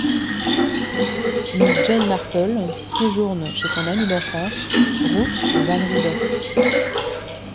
Miss Jane Marple séjourne chez son amie d'enfance Ruth Van Rydock.